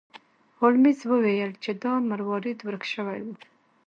هولمز وویل چې دا مروارید ورک شوی و.